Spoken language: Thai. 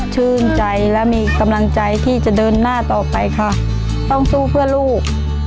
ชื่นใจและมีกำลังใจที่จะเดินหน้าต่อไปค่ะต้องสู้เพื่อลูก